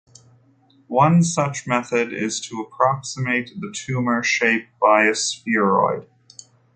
One such method is to approximate the tumor shape by a spheroid.